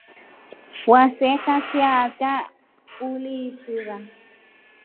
Waseka siya hata uliishira.